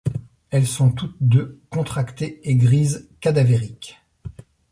Elles sont toutes deux contractés et grises cadavériques.